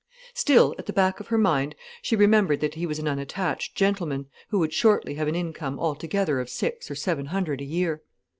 Still, at the back of her mind, she remembered that he was an unattached gentleman, who would shortly have an income altogether of six or seven hundred a year.